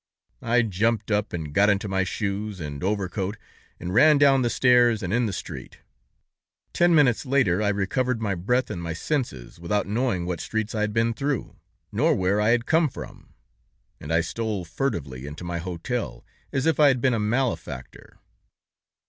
I jumped up and got into my shoes and overcoat and ran down the stairs, and in the street. "Ten minutes later, I recovered my breath and my senses, without knowing what streets I had been through, nor where I had come from, and I stole furtively into my hotel, as if I had been a malefactor.